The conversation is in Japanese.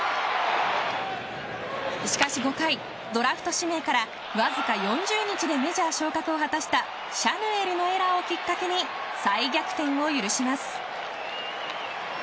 しかし５回、ドラフト指名からわずか４０日でメジャー昇格を果たしたシャヌエルのエラーをきっかけに再逆転を許します。